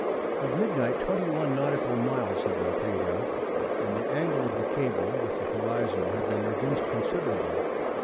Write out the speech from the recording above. At midnight twenty one nautical miles had been paid out, and the angle of the cable with the horizon had been reduced considerably.